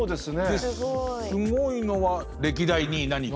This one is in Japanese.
ですごいのは歴代２位何か。